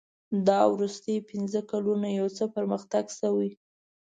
دا وروستي پنځه کلونه یو څه پرمختګ شوی.